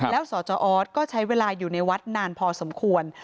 แล้วสจออสก็ใช้เวลาอยู่ในวัดนานพอสมควร